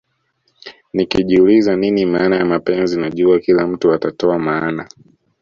Nikiuliza nini maana ya mapenzi najua kila mtu atatoa maana